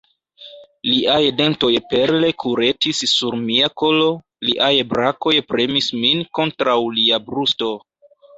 Liaj dentoj perle kuretis sur mia kolo, liaj brakoj premis min kontraŭ lia brusto.